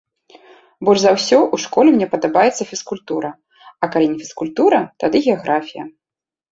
Больш за ўсё ў школе мне падабаецца фізкультура, а калі не фізкультура, тады геаграфія.